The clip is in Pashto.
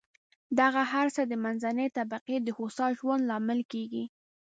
دغه هر څه د منځنۍ طبقې د هوسا ژوند لامل کېږي.